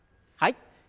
はい。